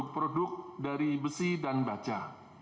serta produk produk dari besi dan baja